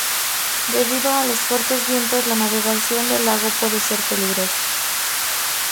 Debido a los fuertes vientos, la navegación del lago puede ser peligrosa.